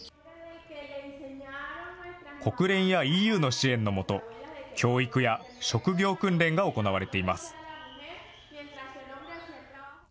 国連やＥＵの支援のもと、教育や職業訓練が行われています。